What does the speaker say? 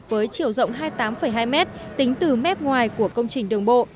với chiều rộng hai mươi tám hai mét tính từ mép ngoài của công trình đường bộ